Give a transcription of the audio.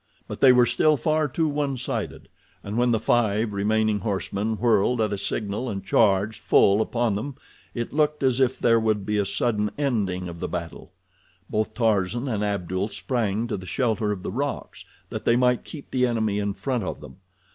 But they were still far too one sided, and when the five remaining horsemen whirled at a signal and charged full upon them it looked as if there would be a sudden ending of the battle. Both Tarzan and Abdul sprang to the shelter of the rocks, that they might keep the enemy in front of them.